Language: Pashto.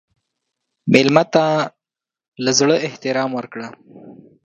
مېلمه ته له زړه احترام ورکړه.